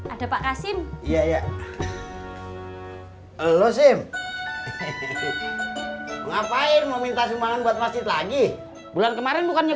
ada pak kasim iya ya ngapain mau minta sumbangan buat masjid lagi bulan kemarin bukannya